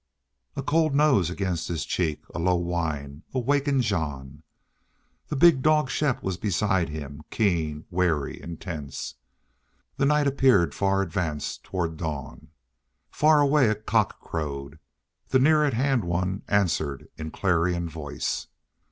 A cold nose against his cheek, a low whine, awakened Jean. The big dog Shepp was beside him, keen, wary, intense. The night appeared far advanced toward dawn. Far away a cock crowed; the near at hand one answered in clarion voice.